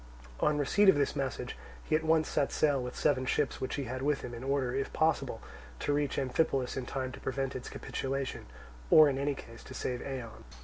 On receipt of this message he at once set sail with seven ships which he had with him, in order, if possible, to reach Amphipolis in time to prevent its capitulation, or in any case to save Eion.